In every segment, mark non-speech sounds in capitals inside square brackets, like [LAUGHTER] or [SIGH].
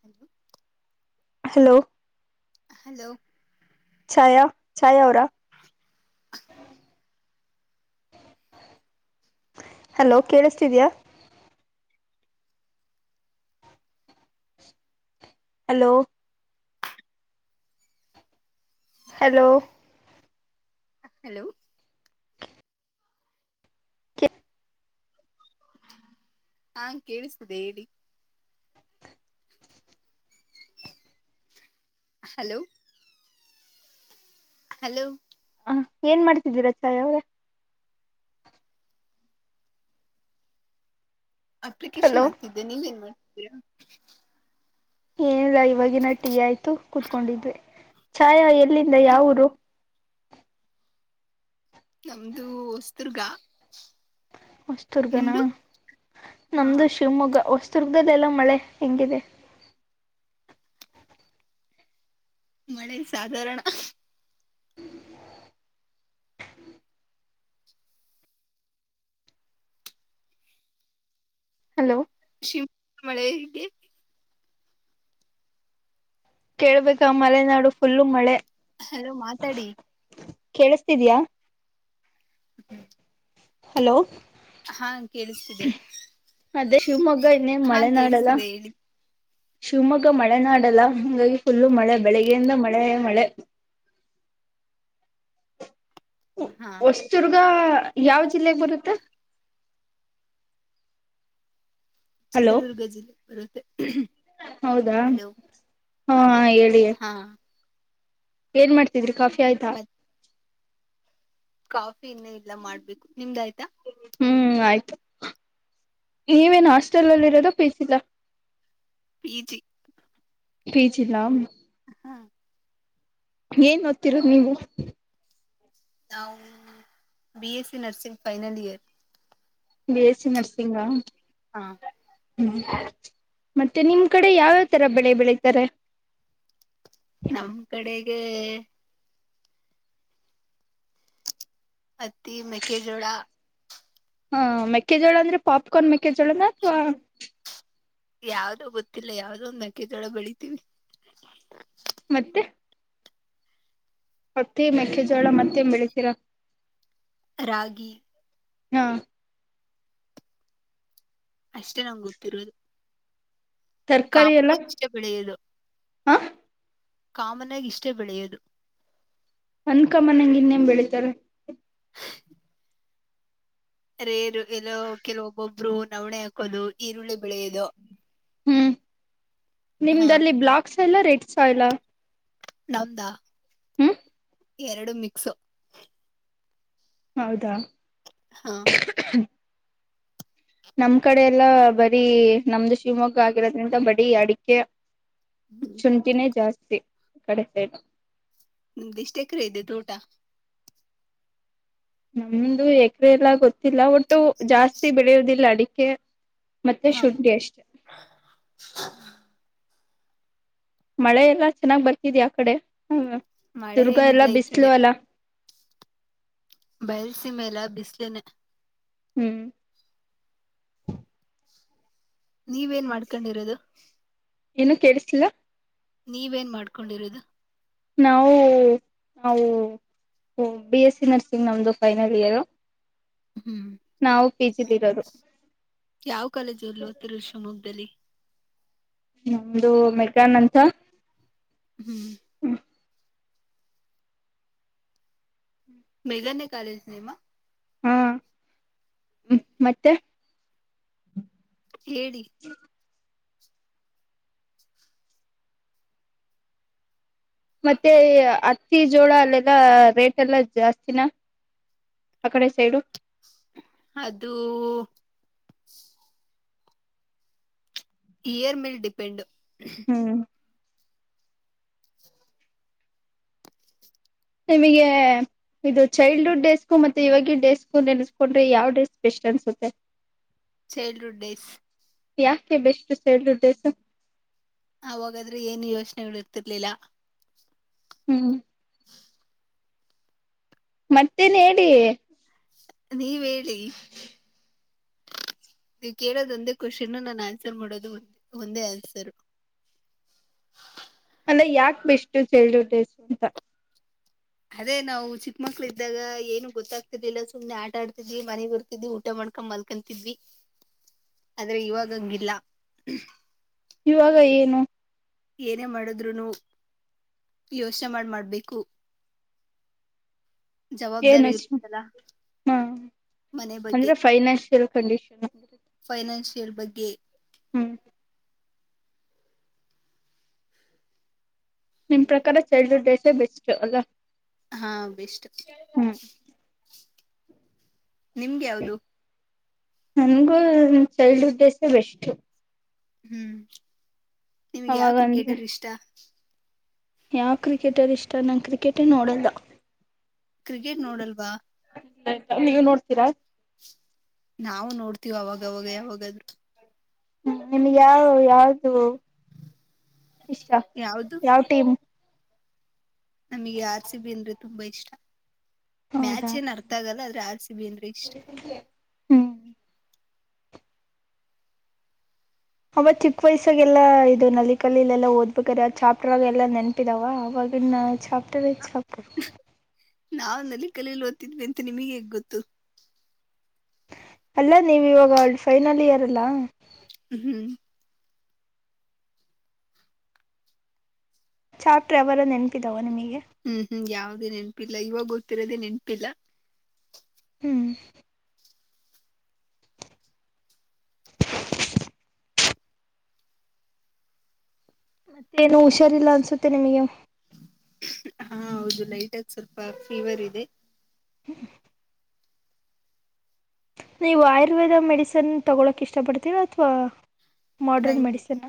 hello [UNINTELLIGIBLE] hello hello Chhaya Chhaya ಅವರಾ hello ಕೇಳ್ತಿದ್ಯಾ hello hello hello ಹಾ ಕೇಳಿಸಿದೆ ಹೇಳಿ ಹಲೋ ಹಲೋ ಏನ್ ಮಾಡ್ತಿದ್ದೀರ ಚಾಯ ಅವ್ರ ಹಲೋ ಅಪ್ಲಿಕೇಶನ್ ಆಗ್ತಿದ್ದೆ ನೀವೇನ್ ಮಾಡ್ [INAUDIBLE] ಏನಿಲ್ಲ ಇವಾಗಿವಾಗಿನ ಟೀ ಆಯ್ತು ಕುೂತ್ಕೊಂಡಿದ್ವಿ ಚಾಯ ಎ ಲ್ಲಿಂದ ಯಾವ ಊರು ನಮ್ದು ಹೊಸುದುರ್ಗಾ ಹೊಸ್ತದುರ್ಗನಾ ಹಾ ನಮ್ದು ಶಿವಮೊಗ್ಗ ಹೊಸ್ ದುರ್ಗಲ್ಲೆಲ್ಲ ಮಳೆ ಹೆಂಗಿದೆ ಮಳೆ ಸಾಧಾರಣ ಹಲೋ ಶಿಂ ಮಳೆ ಹಗೆ ಕೇಳ್ಬೇಕಾ ಮಲೆನಾಡು ಫುಲ್ ಮಳೆ ಅಲೋ ಮಾತಾಡಿ ಕೇಳಿಸಿಸ್ತಿದೆಯಾ ಹ್ಮ್ ಹಲೋ ಹಾ ಕೇಳಿಸ್ತಿದೆ ಅದೇ ಶಿವಮೊಗ್ಗ ಈಗ ಇನ್ನೇ ಹಾ ಮಳೆ ನಾಡಲ್ಲ ಕೇಳಿಸ್ತಿದೆ ಹೇಳಿ ಶಿವಮೊಗ್ಗ ಮಳೆ ನಾಡಲ್ಲ ಹಿಂಗಾಗಿ ಫುಲ್ಲು ಮಳೆ ಬೆಳಿಗ್ಗೆಯಿಂದ ಮಳೆ ಮಳೆ ಹಾ ಹೊಸ್ತರ್ಗ ಯಾವ ಜಿಲ್ಲೆೆಗೆ ಬರುತ್ತ ಚಿತ್ರದುರ್ಗ ಜಿಲ್ಲೆ ಬರುತ್ತೆ ಹೌದಾ ಹಲೋ ಹಾ ಆಯ್ ಹೇಳಿ ಹಾ ಏನ್ ಮಾಡ್ತಿದ್ರಿ ಕಾಫಿ ಆಯ್ತಾ ಮತ್ ಕಾಫಿ ಇನ್ನೇ ಇಲ್ಲ ಮಾಡ್ಬೇಕು ನಿಮ್ದಾಯ್ತು ಹ್ಮ್ ಆಯ್ತು ನೀವೇನ್ ಹಾಸ್ಟೆಲ್ಲಿ ಇರೋದ ಪಿ ಜಿಲ ಫಿಜಿ ಫಿಜಿನ ಹ ಏನ್ ಓದ್ತೀರಾ ನೀವು ನಾವು B ಎಸ್ಸ nursing final year B S C ನರ್ಸಿಂಗಾ ಹ ಹ್ಮ್ ಮತ್ತೆ ನಿಮ್ ಕಡೆ ಯಾವ್ಯಾವ್ ತರ ಬೆಳೆ ಬೆಳತಾರೆ ನಮ್ ಕಡೆ ಗೇ ಹತ್ತಿ ಮೆಕೆಜೋಳ ಹಾ ಮೆಕ್ಕೆಜೋಳ ಅಂದ್ರೆ ಪಾಪ್ಕಾರ್ನ್ ಮೆ ಕೆ ಜೋಳನ ಅತ್ವ ಯಾವ್ದೋ ಗೊತ್ತಿಲ್ಲ ಯಾವ್ದೋ ಒಂದುಕ ಜೋಳ ಬೆಳಿತೀವಿ ಮತ್ತೆ ಹೊತ್ತೆ ಮೆಕ್ಕೆಜೋಳ ಮತ್ತೆ ಬೆಳಿತೀರ ರಾಗಿ ಹಾ ಅಷ್ಟೇ ನಮ್ಗೆ ಗೊತ್ತಿರೋದು ಕಾಮನ ಇಷ್ಟ ಬೆಳೆಯೋದು ಹಾ ಕಾಮನ್ ಆಗಿ ಇಷ್ಟೇ ಬೆಳೆಯೋದು ಅನ್ಕಮ್ಮನ್ಂಗ ಇನ್ನೇಮ ಬೆಳಿತಾರೆ ರೇರು ಎಲ್ಲ ಕೆಲವೊಬ್ಬೊಬ್ರು ನವಣೆ ಹಾಕೋದು ಈರುಳ್ಳಿ ಬೆಳೆಯೋದು ಹ್ಮ್ ಹಾ ನಿಮ್ದಲ್ಲಿ ಬ್ಲಾಕ್ಸ್ ಎಲ್ಲ ರೆಡ್ ಸಾಯ್ಲಾ ನಮದಾ ಹ್ಮ್ ಎರಡು ಮಿಕ್ಸು ಹೌದಾ ಹಾ ನಮ್ ಕಡೆ ಎಲ್ಲ ಬರೀ ನಮ್ದು ಶಿವಮೊಗ್ಗ ಆಗಿರೋದ್ರಿಂದ ಬರೀ ಅಡಿಕೆ ಶುಂಟಿನ ಜಸ್ ಕಡೆ ಸ ನಿಮ್ದ ಎಷ್ಟ ಎಕರೆ ಇದೆ ತೋಟ ನಮ್ದು ಎಕರೆ ಎಲ್ಲ ಗೊತ್ತಿಲ್ಲ ಒಟ್ಟು ಜಾಸ್ತಿ ಬೆಳೆಯೋುದಿಲ್ಲ ಅಡಿಕೆ ಮತ್ತೆ ಹಾ ಶುಂಠಿ ಅಷ್ಟೆ ಮಳೆ ಎಲ್ಲ ಚೆನ್ನಾಗ್ ಬರ್ತಿದ್ಯಾ ಆ ಕಡೆ ಹ್ಮ ಮಳೆ ದುರ್ಗಾ ಎಲ್ಲ ಏನಿಲ್ಲ ಈ ಬಿಸಲು ಅಲ್ಲಾ ಬಯಲ್ಸ ಮೆಲ್ಲ ಬಿಸ್ಲೇನೆ ಹ್ಮ್ ನೀವೇನ್ ಮಾಡ್ಕೊಂಡಿರೋದು ಏನು ಕೇಡುಸ್ಲಿಲ್ಲ ನೀವೇನ್ ಮಾಡ್ಕೊಂಡಿರೋದು ನಾವು ನಾವು ಬಿ ಎಸ್ಸಿ ನರ್ಸಿಂಗ್ ನಮ್ದ ಫೈನಲ್ ಇಯರು ಹ್ಮ್ ಪಿ ಜಿ ದಿರೋದು ಯಾವ್ ಕಾಲೇಜ್ಅಲ್ ಓಡ್ತಿರೋದ್ ಶಿವ್ಮೊಗ್ ಬಲಿ ನಮ್ದು ಮೆಕನ್ ಅಂತ ಹ್ಮ್ ಬೇಗನೆ ಕಾಲೇಜ ನಿಮ್ಮ ಹಾ ಮತ್ತೆ ಹೇಳಿ ಮತ್ತೆ ಅತ್ತಿ ಜೋಳ ಅಲ್ಲೆಲ್ಲಾ ರೇಟ್ ಎಲ್ಲ ಜಾಸ್ತಿನ ಆಕಡೆ ಸೈಡು ಅದು ಇಯರ್ ಮೆಲ್ ಡಿಪೆಂಡ್ ಹ್ಮ್ ನಿಮಗೆ ಇದು ಚೈಲ್ಡ್ಹುಡ್ ಡೇಸ್ಕೂ ಮತ್ತೆ ಇವವಾಗಿ ಡೇಸ್ಕು ನೆನೆಸ್ಕೊಂಡ್ರೆ ಯಾವ ಡೇ ಸ್ಪೆಷಲ್ ಅನ್ಸುತ್ತೆ ಚೈಲ್ಡ್ಹುಡ್ ಡೇಸ್ ಯಾಕೆ ಬೆಷ್ಟು ಚೈಲ್ಡ್ಹುಡ್ ಡೇಸು ಆವಾಗಾದ್ರೆ ಏನು ಯೋಚನೆಗಳ್ ಇರ್ತಿರ್ಲಿಲ್ಲ ಹ್ಮ್ ಮತ್ತೇನ್ ಹೇಳಿ ನೀವ್ ಹೇಳಿ ನೀವ್ ಕೇಳೋದ್ ಒಂದೇ ಕ್ವಶನ್ನು ನಾನ್ ಆನ್ಸರ್ ಮಾಡೋದು ಒಂದೇ ಆನ್ಸರು ಅಂದ್ರೆ ಯಾಕೆ ಬೆಷ್ಟು ಚೈಲ್ಡ್ಹುಡ್ ಡೇಸ್ ಅಂತ ಅದೇ ನಾವು ಚಿಕ್ಕ ಮಕ್ಳ ಇದ್ದಾಗ ಏನು ಗೊತ್ತಾಗ್ತಿರ್ಲಿಲ್ಲ ಸುಮ್ನೆ ಆಟಾ ಆಡ್ತಿದ್ವಿ ಮನೆಗ್ ಬರ್ತಿದ್ವಿ ಊಟ ಮಾಡ್ಕೊಂಡ್ ಮಲ್ಕತಿದ್ವಿ ಆದ್ರೆ ಇವಾಗಂಗಿಲ್ಲ ಇವಾಗ ಏನು ಏನೇ ಮಾಡಿದ್ರುನು ಯೋಚ್ನೆ ಮಾಡ್ ಮಾಡ್ಬೇಕು ಏನ್ ಜವಾಬ್ದಾರಿ ಅ ಇರುತ್ತಲ್ಲ ಹ ಅಂದ್ರೆ ಫೈನಾನ್ಲ್ ಕಂಡಿಷನ್ ಫೈನಾಷಿಯಲ್ ಇರ್ ಬಗ್ಗೆ ಹ್ಮ್ ನಿಮ್ ಪ್ರಕಾರ ಚೈಲ್ಡ್ಡ್ ಡೈಸೇ ಬೆಸ್ಟ್ ಅಲ್ಲ ಹಾ ಬೆಸ್ಟು ಹ್ಮ್ ನಿಮ್ಗ ಯಾವ್ದು ನನ್ಗೂ ಚೈಲ್ಡ್ಹುಡ್ ಡೇಸೆ ಬೆಸ್ಟು ಹ್ಮ್ ನಿಮ್ಗೆ ಯಾವ್ ಕ್ರಿಕೆಟರ್ ಇಷ್ಟ ಯಾವ್ ಕ್ರಿಕೆಟರ್ ಇಷ್ಟ ನಾನ್ ಕ್ರಿಕೆಟೇ ನೋಡಲ್ಲ ಕ್ರಿಕೆಟ್ ನೋಡಲ್ವಾ ಆಯ್ತಾ ನೀವ್ ನೋಡ್ತೀರಾ ನಾವು ನೋಡ್ತೀವ್ ಅವಾಗ್ವಾಗ ಯಾವಾಗಾದ್ರು ಹ್ಮ ನಿಮ್ಗೆ ಯಾವ ಯಾವ್ದ ಇಷ್ಟ ಯಾವ್ದು ಯಾವ ಟೀಮ್ ನಮಗೆ ಆರ್ ಸಿ ಬಿ ಅಂದ್ರೆ ತುಂಬಾ ಇಷ್ಟ ಹೌದಾ ಮ್ಯಾಚ್ ಏನ್ ಅರ್ಥ ಆಗಲ್ಲ ರಾಜ್ ಸಬೇಂದ್ರ ಇಷ್ಟ ಹ್ಮ್ ಅವ ಚಿಕ್ಕ ವಯಸ್ಸಾಗೆಲ್ಲಾ ಇದು ನಲ್ಲಿ ಕಲ್ಲಿಲೆ ಎಲ್ಲಾ ಓದ್ಬೇಕ್ರ ಚಾಪ್ಟರ್ಗ ಎಲ್ಲಾ ನೆನಪಿದಾವ ಅವವಾಗಿನ ಚಾಪ ಎ್ಟ ವಸ್ಪ್ ನಾವವು ನಲ್ಲಿ ಕಲಲಿ ಓದ್ತಿದ್ವಿ ಅಂತ ನಿಮಗೆ ಹೇಗ್ ಗೊತ್ತು ಅಲ್ಲ ನೀವ ಇವಾಗಲ್ಡ್ ಫೈನಲ್ ಇಯರ್ ಅಲ್ಲಾ ಹ್ಮ್ ಚಾಕ್ಟರ್ ಎವರ ನನ್ಪಿದಾವ ನೀಮಗೆ ಹ್ಮ್ ಹ್ಮ್ ಯಾವ್ದ ನೆನಪಿಲ್ಲ ಇವಾಗ ಗೊತ್ತಿರೋದೆೇ ನೆನಪಿಲ್ಲ ಹ್ಮ್ ಮತ್ತೇ ಏನು ಹುಷಾರಿಲ್ಲ ಅನ್ಸುತ್ತೆ ನಿಮಗೆ ಹಾ ಹೌದು ಲೈಟಗ ಸ್ವಲ್ಪ ಫೀವರ್ ಇದೆ ಹ್ಮ ನೀವು ಆಯುರ್ವೇದ ಮೆಡಿಸಿನ್ ತಗೊಳಕ ಇಷ್ಟ ಪಡ್ತೀರ ಅಥವಾ ಮಾಡ್ರನ್ ನಂಗಗೆ ಮೆಡಿಸನ್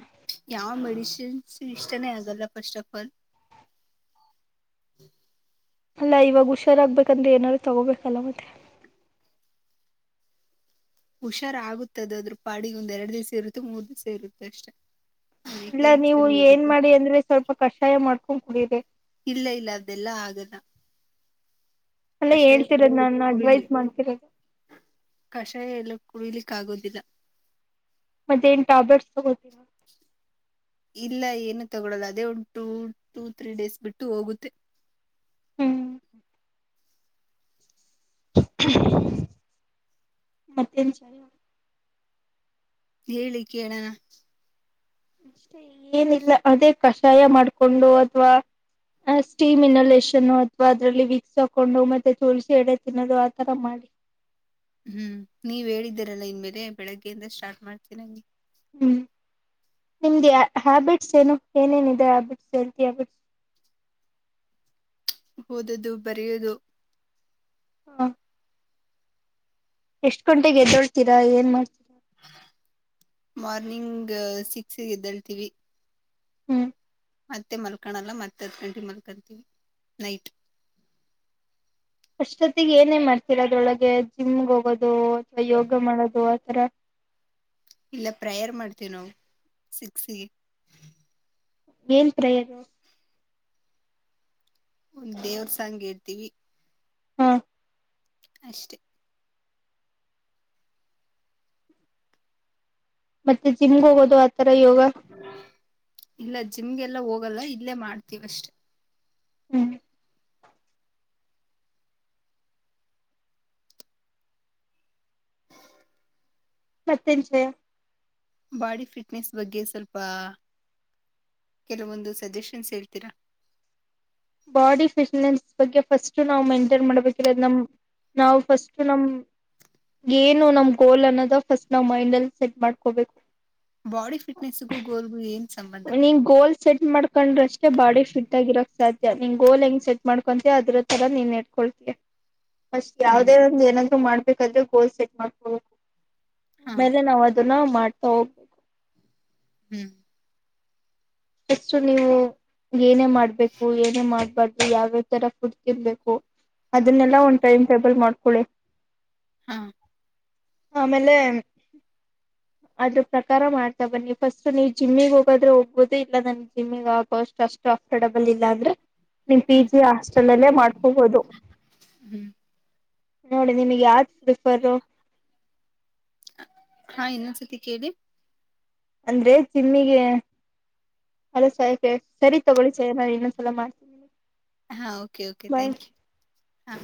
ಯಾವ ಮಡಷ ಶ್ರ ಇಷ್ಟಠನ ಆಗಲ್ಲ ಫಸ್ಟ್ ಫ್ ಆಲ್ ಅಲ್ಲಾ ಇವಾಗ ಹುಷಾರಾಗ್ಬೇಕಂದ್ರೆ ಏನಾರರು ತಗೋಬೇಕಲ್ಲ ಮತ್ತೆ ಹುಷಾರ್ ಆಗುತ್ತದದ್ರರು ಪಾಡಿಗೆ ಒಂದ್ ಎರಡು ದಿವ್ಸ ಇರುತ್ತೆ ಮೂರ್ ದಿವ್ಸ ಇರುತ್ತೆ ಅಷ್ಟೇ ಇಲ್ಲ ನೀವು ಏನ್ ಮಾಡಿ ಅಂದ್ರೆ ಸ್ವಲ್ಪ ಕಷಾಯ ಮಾಡ್ ಪುಕಡಿರೆ ಇಲ್ಲ ಇಲ್ಲ ಅದೆಲ್ಲಾ ಆಗಲ್ಲ ಅಲ್ಲ ಕಷಾಯ ಹೇಳ್ತಿರೋದ್ ಕುಡಲಿ ನಾನ್ ಕುಡಿಲಿ ಅಡ್ವೈಸ್ ಮಾಡ್ತಿರೋದು ಕಷಾಯ ಎಲ್ಲ ಕುಡಿಲಿಕ್ಕ ಆಗೋದಿಲ್ಲ ಮತ್ತೆ ಏನ್ ಟ್ಯಾಬ್ಲೆಟ್ಸ್ ತಗೋತೀರಾ ಇಲ್ಲ ಏನು ತಗೊಳ್ಳಲ್ಲ ಅದೇ ಒಂದು ಟೂ ಟೂ ತ್ರೀ ಡೇಸ್ ಬಿಟ್ಟು ಹೋಗುತ್ತೆ ಹ್ಮ್ ಮತ್ತೆ ವಿಚಾರ ಹೇಳಿ ಕೇಳಣ ಏನಿಲ್ಲ ಅದೇ ಕಷಾಯ ಮಾಡ್ಕೊಂಡು ಅಥ್ವಾ ಸ್ಟೀಮ್ ಇನ್ನಲಷನ್ ಅಥ್ವಾ ಅದ್ರಲ್ಲಿ ವಿಕ್ಸ್ ಹಾಕೊಂಡು ಮತ್ತೆ ತೋಲ್ಸಿ ಎಡೆ ತಿನ್ನೋದು ಆತರ ಮಾಡಿ ಹ್ಮ್ ನೀವ್ ಹೇಳಿದ್ದೀರಲ್ಲಾ ಇನ್ ಮೇಲೆ ಬೆಳಗ್ಗೆಯಿಂದ ಸ್ಟಾರ್ಟ್ ಮಾಡ್ತೀ ನಂಗೆ ಹ್ಮ್ ನಿಮ್ದ ಹ್ಯಾಬಿಟ್ಸ್ ಏನು ಏನೇನಿದೆ ಹ್ಯಾಬಿಟ್ಸ್ ಹೆಲ್ತಿ ಹ್ಯಾಬಿಟ್ಸ್ ಹೋದದು ಬರೆಯೋದು ಹ್ಮ ಎಷ್ಟ ಗಂಟೆಗೆ ಎದ್ದೋಡ್ತೀರಾ ಏನ್ ಮಾಡ್ತೀರಾ ಮಾರ್ನಿಂಗ್ ಸಿಕ್ಸ್ಗೆ ಎದ್ದಳ್ತೀವಿ ಹ್ಮ್ ಮತ್ತೆ ಮಲ್ಕಳಲ್ಲ ಮತ್ತ ಹತ್ ಗಂಟೆ ಮಲ್ಕಂತವಿ ನೈಟ್ ಅಷ್ಟೊತ್ತಿಗೆ ಏನೇ ಮಾಡ್ತಿರಾ ಅದ್ರೊಳಗೆ ಜಿಮ್ಗೆ ಹೋಗೋದು ಯೋಗ ಮಾಡೋದು ರತ್ ಇಲ್ಲ ಪ್ರೇಯರ್ ಮಾಡ್ತೀವಿ ನಾವು ಸಿಕ್ಸಿಗೆ ಏನ್ ಪ್ರಯರು ಒಂದ್ ದೇವರು ಸಾಂಗ್ ಇರ್ತೀವಿ ಹ್ಮ ಅಷ್ಟೆ ಮತ್ತೆ ಜಿಮ್ಗೆ ಹೋಗೋದು ತರ ಯೋಗ ಇಲ್ಲ ಜಿಮ್ಗೆಲ್ಲ ಹೋಗಲ್ಲ ಇಲ್ಲೇ ಮಾಡ್ತೀವ ಅಷ್ಟೇ ಹ್ಮ್ [UNINTELLIGIBLE] ಮತ್ತೇಂಜೆ ಬಾಡಿ ಫಿಟ್ನೆಸ್ ಬಗ್ಗೆ ಸ್ವಲ್ಪ ಕೆಲವೊಂದು ಸಜೆಷನ್ಸ್ ಹೇಳ್ತೀರಾ ಬಾಡಿ ಫಿಟ್ನೆಸ್ ಬಗ್ಗೆ ಫಸ್ಟ್ ನಾವು ಮೇಂಟೈನ್ ಮಾಡ್ಬೇಕಿರೋದ ನಮ ನಾವು ಫಸ್ಟ್ ನಮ ಏನು ನಮ ಗೋಲ್ ಅನ್ನೋದ ಫಸ್ಟ್ ನಾವ್ ಮೈಂಡ್ಲ್ಲಿ ಸೆಟ್ ಮಾಡ್ಕೋಬೇಕ ಬಾಡಿ ಫಿಟ್ನೆಸ್ಗೂ ಗೋಲ್ಗು ಏನ್ ಸಂಬಂಧ ನೀನು ಗೋಲ್ ಸೆಟ್ ಮಾಡ್ಕೊಂಡ್ರಷ್ಟೇ ಬಾಡಿ ಫಿಟ್ ಆಗಿರಕ್ ಸಾಧ್ಯ ನಿನ್ನ ಗೋಲ್ ಹೆಂಗ್ ಸೆಟ್ ಮಾಡ್ಕೊಂತೀ ಅದ್ರ ತರ ನೀನ್ ನಡ್ಕೊಳ್ತಿಯಾ ಅಷ್ಟ್ ಹ್ಮ್ ಯಾವದೇ ಒಂದ ಏನ್ರು ಮಾಡು ಬೇಕಾದ್ರೆ ಗೋಲ್ ಸೆಟ್ ಮಾಡ್ಕೋ ಹಾ ಆಮೇಲೆ ನಾವು ಅದನ್ನ ಮಾಡ್ತಾ ಹೋಗ್ಬೇಕು [UNINTELLIGIBLE] ಹ್ಮ್ ಅಷ್ಟು ನೀವು ಏನೇ ಮಾಡಬೇಕು ಏನೇ ಮಾಡಬಾರದು ಯಾವ್ಯಾವ ತರ ಫುಡ್ ತಿನ್ಬೇಕು ಅದನ್ನೆಲ್ಲ ಒಂದ ಟೈಮ್ ಟೇಬಲ್ ಮಾಡ್ಕೊಳ್ಳಿ ಹಾ ಆಮೇಲೆ ಅದ್ರ ಪ್ರಕಾರ ಮಾಡ್ತಾ ಬನ್ನಿ ಫಸ್ಟ್ ಜಿಮ್ಮಿಗೆ ಹೋಗದ್ರೆ ಹೋಗ್ಬದು ಇಲ್ಲ ನನ್ ಜಿಮ್ಮಿಗೆ ಆಗಕೋಷ್ಟಟ್ ಅಷ್ಟು ಅಂಫರ್ಟಬಲ್ ಇಲ್ಲ ಆದ್ರೆ ನೀವು ಪಿ ಹ್ಮ್ ಜಿ ಹಾಸ್ಟೆಲ್ ಅಲ್ಲೇ ಮಾಡ್ಕಬೋದು ಹ್ಮ್ ನೋಡಿ ನಿಮಗೆ ಯ ವಿರಿಫರ್ೋ [UNINTELLIGIBLE] ಹಾ ಇನ್ನೊಂದ್ ಸತಿ ಕೇಳಿ ಅಂದ್ರೆ ಚಿಮ್ಮಿಗೆ ಅದ ಸಕ ಸರಿ ತಗೊಳ ಸ ನಾನು ಇನ್ನೊಂದ್ಸಲ ಮಾಡ್ತಿದ್ದೀನಿ ಹಾ ಓಕೆ ಓಕೆ ಥಾಂಕ್ ಯು ಹಾ